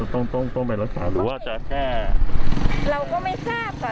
ต้องต้องไปรักษาหรือว่าจะแค่เราก็ไม่ทราบค่ะ